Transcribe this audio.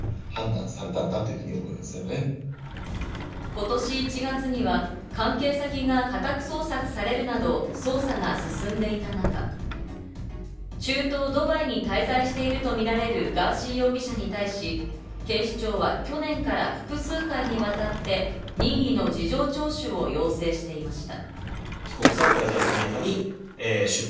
今年１月には関係先が家宅捜索されるなど、捜査が進んでいた中、中東ドバイに滞在しているとみられるガーシー容疑者に対し、警視庁は去年から複数回にわたって、任意の事情聴取を要請していました。